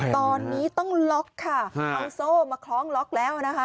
ตอนนี้ต้องล็อกค่ะเอาโซ่มาคล้องล็อกแล้วนะคะ